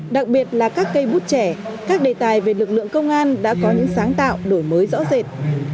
đặc biệt là các cây bút trẻ các đề tài về lực lượng công an đã có những sáng tạo đổi mới rõ rệt